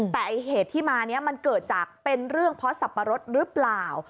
แต่เหตุที่มานี้มันเกิดจากเป็นเรื่องเพราะสับปะรดหรือเปล่า